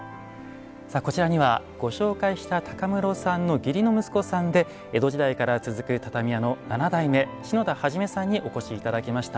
さあこちらにはご紹介した室さんの義理の息子さんで江戸時代から続く畳屋の七代目篠田初さんにお越し頂きました。